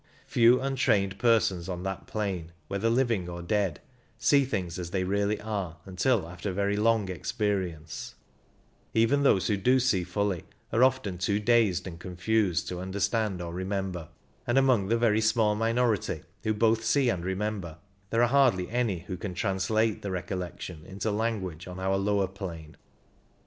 Few untrained persons on that plane, whether living or dead, see things as they really are until after very long experience ; even those who do see fully are often too dazed and confused to understand or remember : and among the very small minority who both see and remember there are hardly any who can translate the recollection into language on our lower plane.